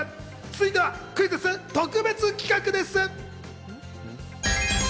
続いてはクイズッス特別企画です。